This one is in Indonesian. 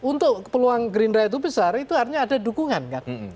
untuk peluang gerindra itu besar itu artinya ada dukungan kan